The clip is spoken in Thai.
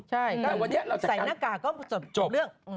ใช่ใส่หน้ากากก็จบเรื่อง